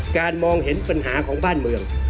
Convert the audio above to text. มองเห็นปัญหาของบ้านเมือง